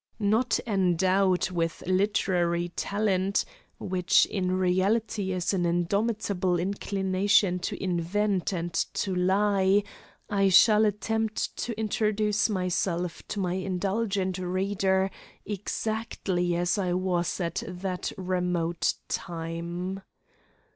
Not endowed with literary talent, which in reality is an indomitable inclination to invent and to lie, I shall attempt to introduce myself to my indulgent reader exactly as I was at that remote time.